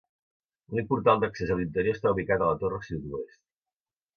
L'únic portal d'accés a l'interior està ubicat a la torre sud-oest.